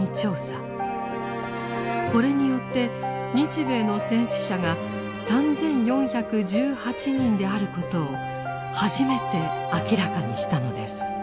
これによって日米の戦死者が３４１８人であることを初めて明らかにしたのです。